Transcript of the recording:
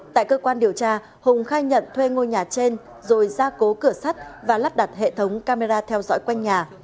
tại cơ quan điều tra hùng khai nhận thuê ngôi nhà trên rồi ra cố cửa sắt và lắp đặt hệ thống camera theo dõi quanh nhà